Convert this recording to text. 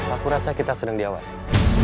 aku rasa kita sedang diawasi